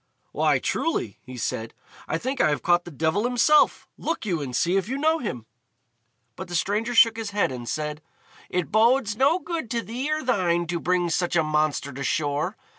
"Why, truly," he said, "I think I have caught the devil himself. Look you and see if you know him." But the stranger shook his head, and said, "It bodes no good to thee or thine to bring such a monster to shore.